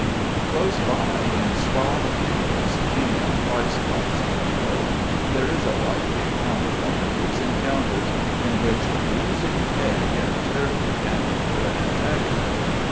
Close by, in Spa Fields, female prize fights were held, and there is a lively account of one of these encounters in which "Bruising Peg" terribly damaged her antagonist.